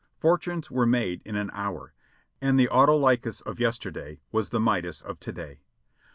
Fortunes were made in an hour, and the Autolycus of yesterday was the Midas of to day.